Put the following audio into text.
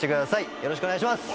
よろしくお願いします！